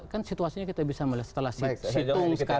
kan situasinya kita bisa melihat